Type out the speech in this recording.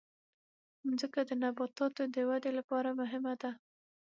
مځکه د نباتاتو د ودې لپاره مهمه ده.